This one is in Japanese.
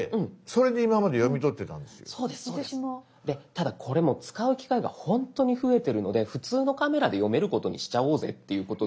ただこれもう使う機会がほんとに増えてるので普通のカメラで読めることにしちゃおうぜっていうことで。